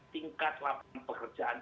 tingkat lapangan pekerjaan